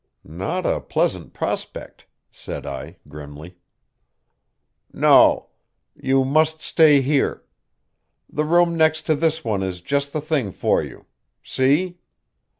"Not a pleasant prospect," said I grimly. "No. You must stay here. The room next to this one is just the thing for you. See?"